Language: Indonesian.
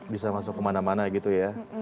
bisa masuk kemana mana gitu ya